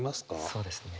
そうですね。